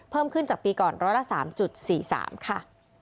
เพิ่มขึ้นจากปีก่อน๓๔๓ค่ะ